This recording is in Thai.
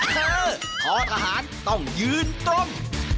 เธอคอทหารต้องยืนตรง